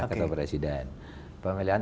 kata presiden pemilihan